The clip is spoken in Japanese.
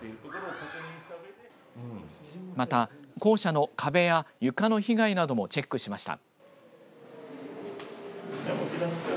また、校舎の壁や床の被害などもチェックしました。